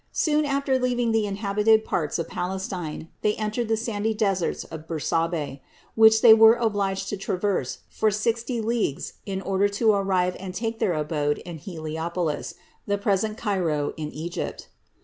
Soon leaving the inhabited parts of Palestine, they entered the sandy deserts of Bersabe, which they were obliged to traverse for sixty leagues in order to arrive and take their abode in Heliopolis, the present Cairo in Egypt.